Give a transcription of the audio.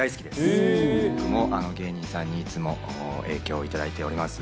いつも僕も芸人さんに影響をいただいております。